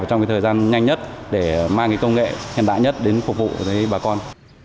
trong thời gian nhanh nhất để mang công nghệ hiện đại nhất đến phục vụ với bà con